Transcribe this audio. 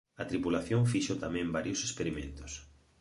A tripulación fixo tamén varios experimentos.